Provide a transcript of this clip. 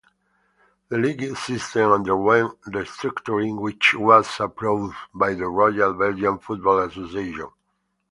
The league system underwent restructuring which was approved by the Royal Belgian Football Association.